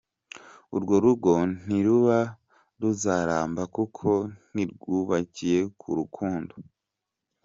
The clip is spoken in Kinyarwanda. Urwo rugo ntiruba ruzaramba kuko ntirwubakiye ku rukundo.